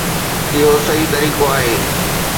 اهو صحيح طريقو آهي.